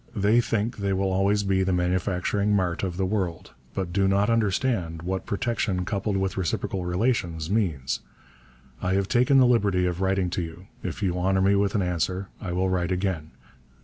They think they will always be the manufacturing mart of the world, but do not understand what protection coupled with reciprocal relations means. I have taken the liberty of writing to you; if you honour me with an answer I will write again.